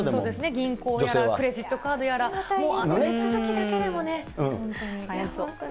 銀行やらクレジットカードやら、手続きだけでもね、本当に。